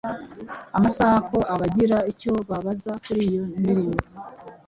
amusaba ko abagira icyo babaza kuri iyo ndirimbo